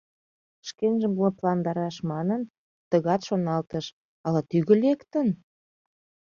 Шкенжым лыпландараш манын, тыгат шоналтыш: «Ала тӱгӧ лектын?